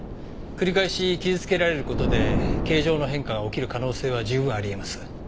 繰り返し傷つけられる事で形状の変化が起きる可能性は十分あり得ます。